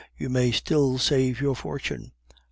You may still save your fortune.